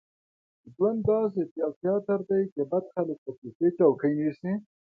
ژوند داسې یو تیاتر دی چې بد خلک په کې ښې چوکۍ نیسي.